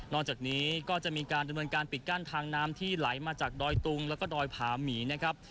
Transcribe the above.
นอกจากนี้ก็จะมีการปิดกั้นทางน้ำที่ไหลมาจากดอยตุงและดอยผามีนะครับ